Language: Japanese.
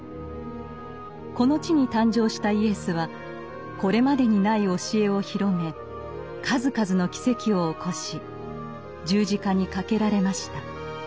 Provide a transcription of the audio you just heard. この地に誕生したイエスはこれまでにない教えを広め数々の奇跡を起こし十字架にかけられました。